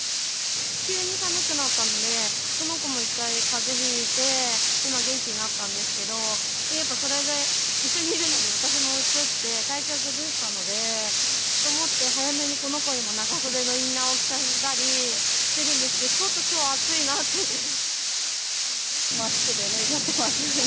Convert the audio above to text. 急に寒くなったので、この子も１回、かぜひいて、今元気になったんですけど、やっぱそれで一緒にいるので、私もうつって体調崩したので、と思って、早めにこの子にも長袖のインナーを着させたりしてるんですけど、暑くて脱いじゃってます。